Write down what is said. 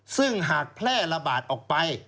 ซึ่งหากแพร่ระบาดออกไป